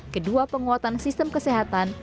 kedua penguatan sistem kesehatan